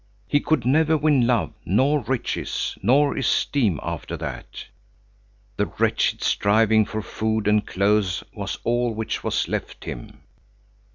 He could never win love, nor riches, nor esteem after that. The wretched striving for food and clothes was all which was left him.